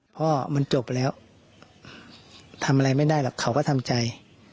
พ่อมันจบไปแล้วทำอะไรไม่ได้หรอกเขาก็ทำใจ